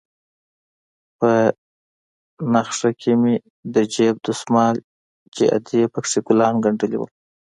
په نخښه کښې مې د جيب دسمال چې ادې پکښې ګلان گنډلي وو.